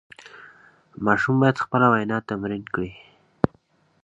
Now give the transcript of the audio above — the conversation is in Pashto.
ماشوم باید خپله وینا تمرین کړي.